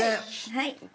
はい。